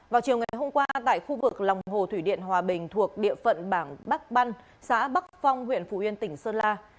vào chiều ngày hôm qua tại khu vực lòng hồ thủy điện hòa bình thuộc địa phận bản bắc băn xã bắc phong huyện phủ yên tỉnh sơn la